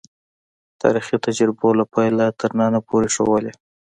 تاریخي تجربو له پیله تر ننه پورې ښودلې.